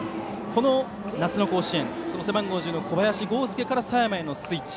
この夏の甲子園は背番号１０の小林剛介から佐山へのスイッチ。